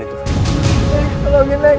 tidak ada siluman